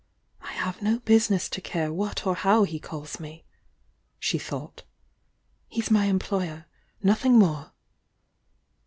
' I have no business to care what or how he calls me,^^ she thought. "He's my employer,— nothing more."